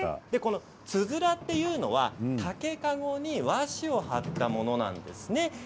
つづらというのは、竹籠に和紙を貼ったものなんですね。